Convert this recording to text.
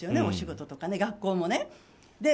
お仕事とか学校もね。